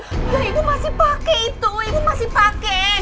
ibu masih pakai itu ibu masih pakai